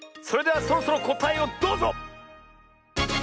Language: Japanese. それではそろそろこたえをどうぞ！